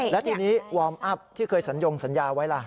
และทีนี้วอร์มอัพที่เคยสัญญงสัญญาไว้ล่ะ